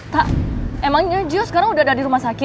tak emangnya jio sekarang udah ada di rumah sakit